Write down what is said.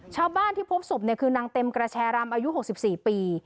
ชาวบ้านที่พบศพคือนางเต็มกระแชรำอายุ๖๔ปี